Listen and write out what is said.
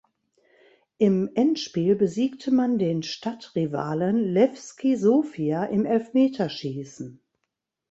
Im Endspiel besiegte man den Stadtrivalen Lewski Sofia im Elfmeterschießen.